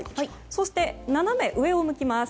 そして、斜め上を向きます。